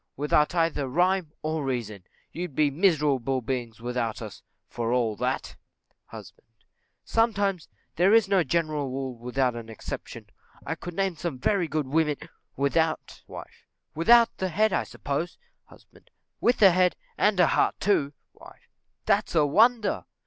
_ Without either rhyme or reason; you'd be miserable beings without us, for all that. Husband. Sometimes: there is no general rule without an exception; I could name some very good women Wife. Without the head, I suppose. Husband. With a head, and with a heart too. Wife. That's a wonder!